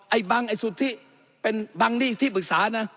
บังไอ้สุทธิเป็นบังนี่ที่ปรึกษานะ